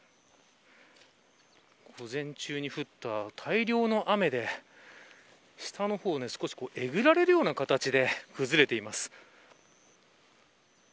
午前中に降った大量の雨で下の方が、少しえぐられるような形で崩れています。